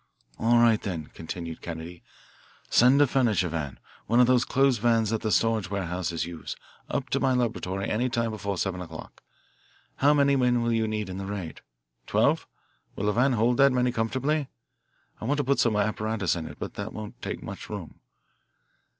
"All right, then," continued Kennedy. "Send a furniture van, one of those closed vans that the storage warehouses use, up to my laboratory any time before seven o'clock. How many men will you need in the raid? Twelve? Will a van hold that many comfortably? I'll want to put some apparatus in it, but that won't take much room."